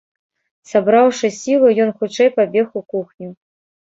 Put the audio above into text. Сабраўшы сілу, ён хутчэй пабег у кухню.